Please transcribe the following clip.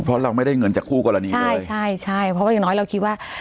เพราะเราไม่ได้เงินจากคู่กรณีด้วยใช่ใช่เพราะว่าอย่างน้อยเราคิดว่า